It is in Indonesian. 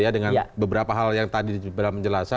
dengan beberapa hal yang tadi sudah saya menjelaskan